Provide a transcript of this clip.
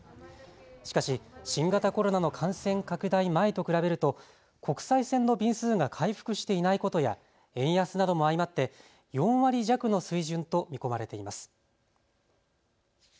しかし新型コロナの感染拡大前と比べると国際線の便数が回復していないことや円安なども相まって４割弱の水準と見込まれています。